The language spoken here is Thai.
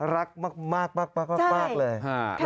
รักมากเลย